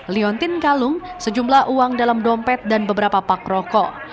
liontin kalung sejumlah uang dalam dompet dan beberapa pak rokok